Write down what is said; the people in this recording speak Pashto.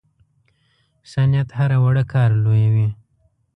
ښه نیت هره وړه کار لویوي.